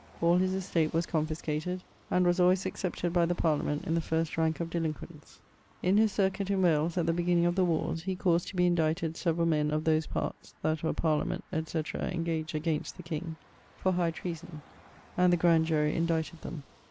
All his estate was confiscated; and was always excepted by the parliament in the first ranke of delinquents. In his circuit in Wales at the beginning of the warres, he caused to be indicted severall men of those parts (that were parliament, etc. engaged against the king) for highe treason; and the grand jury indicted them.